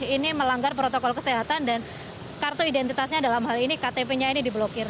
ini melanggar protokol kesehatan dan kartu identitasnya dalam hal ini ktp nya ini diblokir